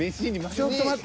ちょっと待って。